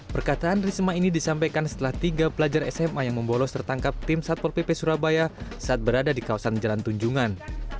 perkataan risma ini disampaikan setelah tiga pelajar sma yang membolos tertangkap tim satpol pp surabaya saat berada di kawasan jalan tunjungan